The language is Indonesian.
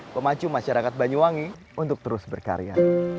pemacu masyarakat banyuwangi untuk terus berkarya